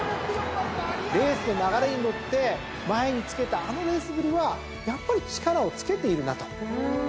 レースの流れに乗って前に付けたあのレースぶりはやっぱり力を付けているなと。